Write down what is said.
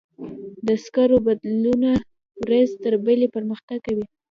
د سکرو بدیلونه ورځ تر بلې پرمختګ کوي.